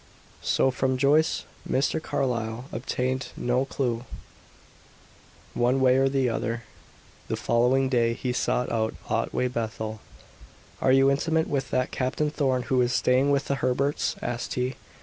So from Joyce Mr. Carlyle obtained no clue, one way or the other. The following day he sought out Otway Bethel. "Are you intimate with that Captain Thorn who is staying with the Herberts?" asked he.